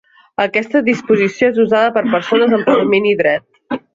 Aquesta disposició és usada per persones amb predomini dret.